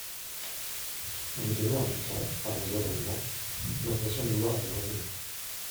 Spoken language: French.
Vous donnez en tout cas, par vos amendements, l’impression de vouloir y revenir.